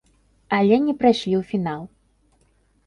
Але не прайшлі ў фінал.